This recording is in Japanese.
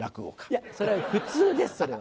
いやそれは普通です。